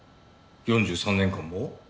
４３年間も？